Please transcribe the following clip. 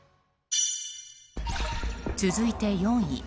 続いて４位。